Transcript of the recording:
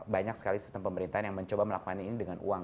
banyak sekali sistem pemerintahan yang mencoba melakukan ini dengan uang